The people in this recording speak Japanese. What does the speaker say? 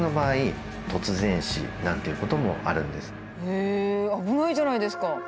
ええ危ないじゃないですか。